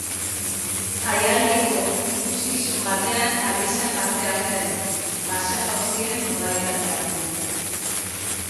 Jaialdiko ikuskizun batean ari zen parte hartzen, base-jauzien modalitatean.